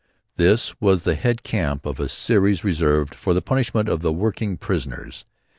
This was the head camp of a series reserved for the punishment or the working of prisoners.